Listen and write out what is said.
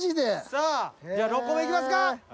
さあじゃあ６個目いきますか。